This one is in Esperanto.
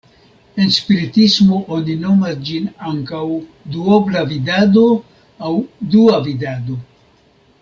En spiritismo oni nomas ĝin ankaŭ "duobla vidado" aŭ "dua vidado".